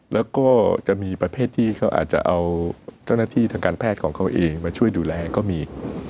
แล้วก็จะมีประเภทที่เขาอาจจะเอาเจ้าหน้าที่ทางการแพทย์ของเขาเองมาช่วยดูแลก็มี